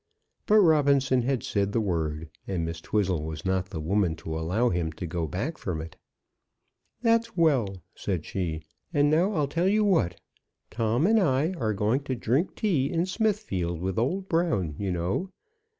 But Robinson had said the word, and Miss Twizzle was not the woman to allow him to go back from it. "That's well," said she. "And now I'll tell you what. Tom and I are going to drink tea in Smithfield, with old Brown, you know.